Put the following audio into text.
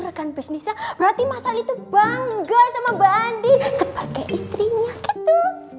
rekan bisnisnya berarti mas ali itu bangga sama mbak andi sebagai istrinya gitu